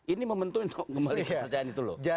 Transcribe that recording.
ini membentukkan kembalikan kepercayaan itu loh